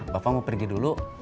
bapak mau pergi dulu